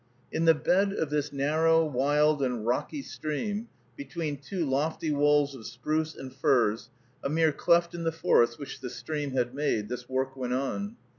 In the bed of this narrow, wild, and rocky stream, between two lofty walls of spruce and firs, a mere cleft in the forest which the stream had made, this work went on.